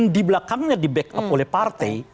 di belakangnya di backup oleh partai